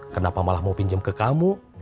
kenapa malah mau pinjam ke kamu